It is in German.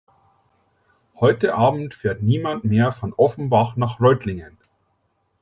Heute Abend fährt niemand mehr von Offenbach nach Reutlingen